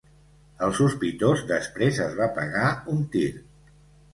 El sospitós després es va pegar un tir.